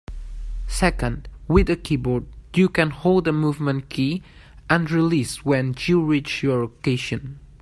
Second, with a keyboard you can hold a movement key and release when you reach your location.